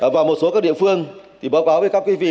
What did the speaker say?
và một số các địa phương thì báo cáo với các vị